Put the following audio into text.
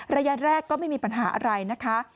ระยะแรกก็ไม่มีปัญหาอะไรนะคะ